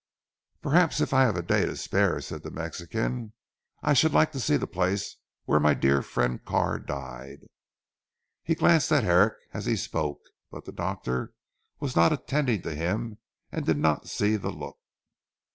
"Perhaps, if I have a day to spare," said the Mexican. "I should like to see the place where my dear friend Carr died." He glanced at Herrick as he spoke, but the doctor was not attending to him and did not see the look.